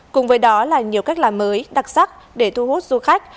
cùng với đó là nhiều cách làm mới đặc sắc để thu hút du khách